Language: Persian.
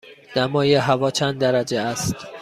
دمای هوا چند درجه است؟